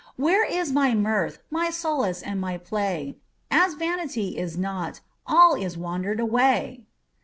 Where is my mirth, my solace, and my play? As vanity is nought, all is wandered away!"